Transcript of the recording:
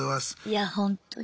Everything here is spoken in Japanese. いやほんとに。